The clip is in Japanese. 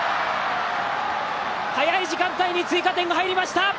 早い時間帯に追加点が入りました。